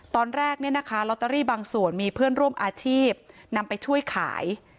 ตอนแรกเนี่ยนะคะลอตเตอรี่บางส่วนมีเพื่อนร่วมอาชีพนำไปช่วยขาย